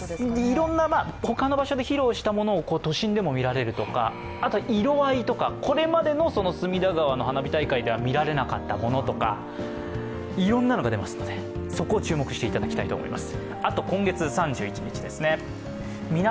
いろんな、他の場所で披露したものを都心でも見られるとかあとは色合いとかこれまでの隅田川の花火大会では見られなかったものとか、いろんなのが出ますので、そこに注目していただきたいと思います。